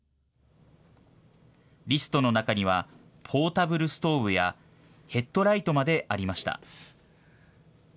リストの中にはポータブルストーブやヘッドライトまでありました。